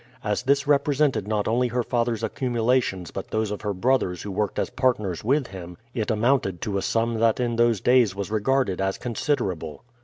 As this represented not only her father's accumulations but those of her brothers who worked as partners with him, it amounted to a sum that in those days was regarded as considerable.